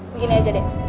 begini aja deh